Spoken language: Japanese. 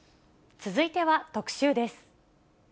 続いては特集です。